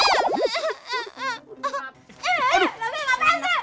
loh men apaan sih